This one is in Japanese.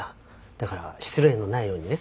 だから失礼のないようにね。